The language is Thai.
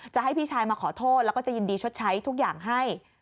จะให้พี่ชายมาขอโทษแล้วก็จะยินดีชดใช้ทุกอย่างให้